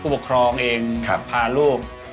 ปกครองเองพาลูก